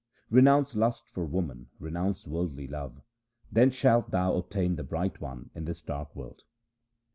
Renounce lust for woman, renounce worldly love, then shalt thou obtain the Bright One in this dark world.